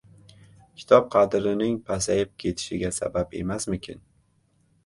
kitob qadrining pasayib ketishiga sabab emasmikin?